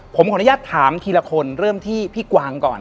ผมขออนุญาตถามทีละคนเริ่มที่พี่กวางก่อน